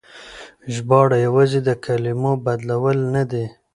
ژباړه يوازې د کلمو بدلول نه دي.